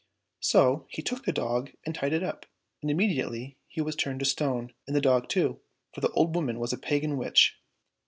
So he took the dog and tied it up, and immediately he was turned to stone, and the dog too, for the old woman was a pagan witch.